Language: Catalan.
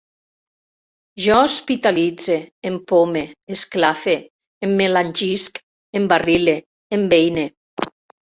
Jo hospitalitze, empome, esclafe, emmelangisc, embarrile, embeine